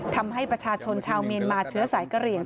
ทำให้ประชาชนชาวเมียนมาเชื้อสายกระเหลี่ยง